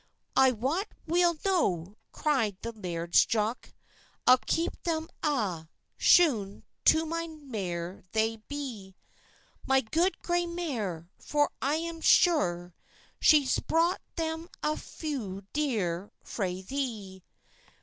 "I wat weel no," cryd the Laird's Jock, "I'll keep them a'; shoon to my mare they'll be; My good grey mare; for I am sure, She's bought them a' fu dear frae thee."